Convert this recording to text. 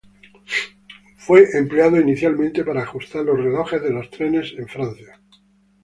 Fue empleado inicialmente para ajustar los relojes de los trenes en Francia.